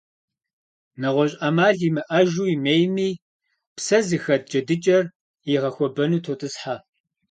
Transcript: НэгъуэщӀ Ӏэмал имыӀэжу, имейми, псэ зыхэт джэдыкӀэр игъэхуэбэну тотӀысхьэ.